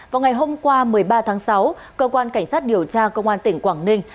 vào ngày hôm qua một mươi ba tháng sáu cơ quan cảnh sát điều tra công an tỉnh quảng ninh